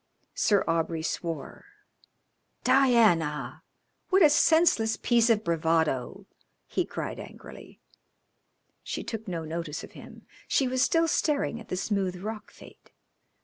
Sir Aubrey swore. "Diana! What a senseless piece of bravado!" he cried angrily. She took no notice of him. She was still staring at the smooth rock fate.